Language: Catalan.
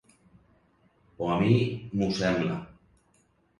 O a mi m'ho sembla.